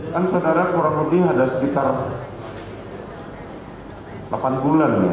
kan saudara kurang lebih ada sekitar delapan bulan ya